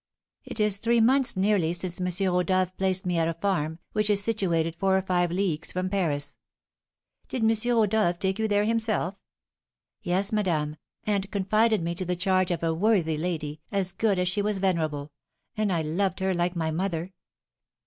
"It is three months nearly since M. Rodolph placed me at a farm, which is situated four or five leagues from Paris " "Did M. Rodolph take you there himself?" "Yes, madame, and confided me to the charge of a worthy lady, as good as she was venerable; and I loved her like my mother.